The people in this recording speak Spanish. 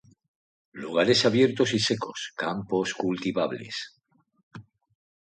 Lugares abiertos y secos, campos cultivables.